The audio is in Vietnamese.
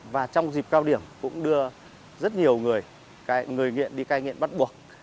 và trong dịp cao điểm cũng đưa rất nhiều người người nghiện đi cai nghiện bắt buộc